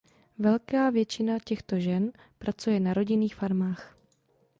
Velká většina těchto žen pracuje na rodinných farmách.